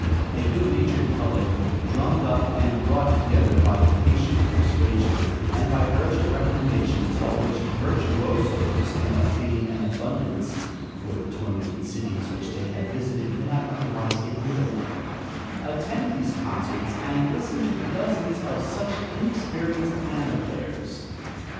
A good natured public, drummed up and brought together by patient persuasion and by urgent recommendations, of which virtuosos can obtain an abundance (for the tormented cities which they have visited cannot otherwise get rid of them), attend these concerts and listen to dozens of such inexperienced piano players.